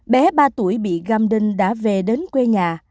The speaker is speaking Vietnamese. bé ba tuổi bị găm đinh đã về đến quê nhà